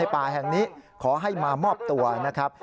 ป่าแห่งนี้ขอให้มามอบตัวนะครับ